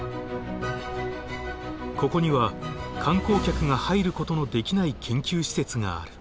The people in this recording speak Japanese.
ここには観光客が入ることのできない研究施設がある。